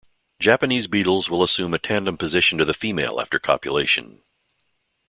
Japanese beetles will assume a tandem position to the female after copulation.